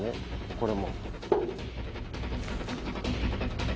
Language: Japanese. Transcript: これも。